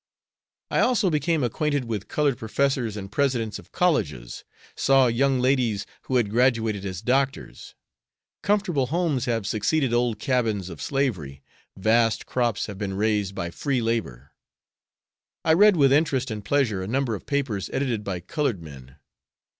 I also became acquainted with colored professors and presidents of colleges. Saw young ladies who had graduated as doctors. Comfortable homes have succeeded old cabins of slavery. Vast crops have been raised by free labor. I read with interest and pleasure a number of papers edited by colored men.